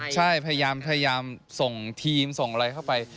ใช่พยายามส่งทีมส่งอะไรเข้าไป